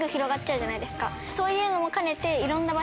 そういうのも兼ねて。